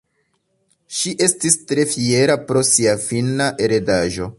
Ŝi estis tre fiera pro sia finna heredaĵo.